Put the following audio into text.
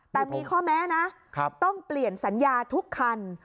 แต่มีข้อแม้นะต้องเปลี่ยนสัญญาทุกคัน